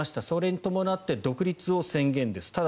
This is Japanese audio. それに伴って独立を宣言です。